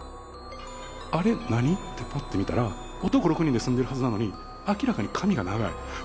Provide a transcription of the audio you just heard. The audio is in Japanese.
あれ、何？ってパッて見たら男６人で住んでるはずなのに明らかに髪が長い。